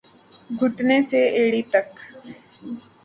گھٹنے سے ایڑی تک